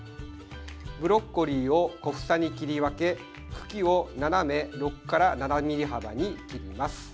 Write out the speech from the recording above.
ブロッコリーを小房に切り分け茎を斜め６７ｍｍ幅に切ります。